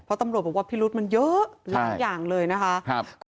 เพราะตำรวจบอกว่าพิรุษมันเยอะหลายอย่างเลยนะคะ